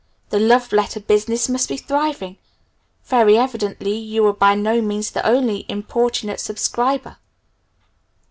"The love letter business must be thriving. Very evidently you are by no means the only importunate subscriber."